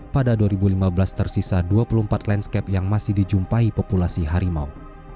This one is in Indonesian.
pada dua ribu lima belas tersisa dua puluh empat landscape yang masih dijumpai populasi harimau